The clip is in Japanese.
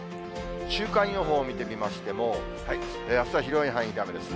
週間予報を見てみましても、あすは広い範囲で雨ですね。